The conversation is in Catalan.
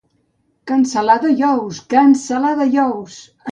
Cansalada i ous, cansalada i ous!